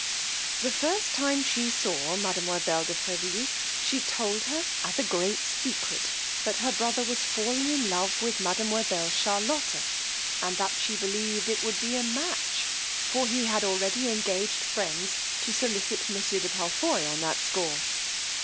The first time she saw mademoiselle de Freville, she told her as a great secret that her brother was fallen in love with mademoiselle Charlotta, and that she believed it would be a match, for he had already engaged friends to sollicit monsieur de Palfoy on that score.